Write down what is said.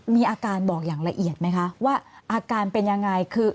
มีอาการบอกอย่างละเอียดไหมคะว่าอาการเป็นยังไงคือ